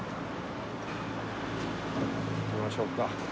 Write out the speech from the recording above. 行きましょうか。